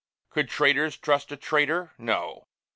Could traitors trust a traitor? No!